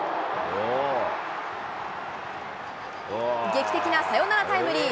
劇的なサヨナラタイムリー。